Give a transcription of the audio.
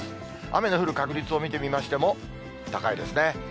雨の降る確率を見てみましても、高いですね。